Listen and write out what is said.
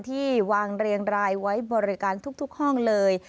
ที่วางเรียงรายไว้บริการทุกห้องเลย